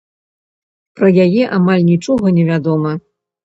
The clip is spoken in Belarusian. Пра яе амаль нічога невядома.